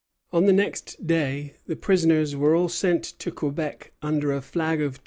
On the next day the prisoners were all sent to Quebec under a flag of truce.